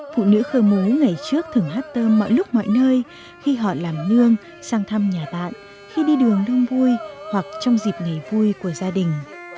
phụ nữ khơ mú ngày trước thường hát tôm mọi lúc mọi nơi khi họ làm nương sang thăm nhà bạn khi đi đường đông vui hoặc trong dịp ngày vui của gia đình